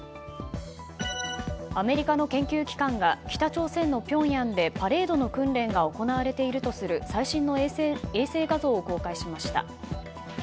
アメリカの研究機関が北朝鮮のピョンヤンでパレードの訓練が行われているとする最新の衛星画像を公開しました。